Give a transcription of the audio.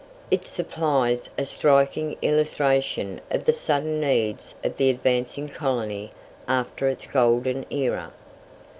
It supplies a striking illustration of the sudden needs of the advancing colony after its golden era.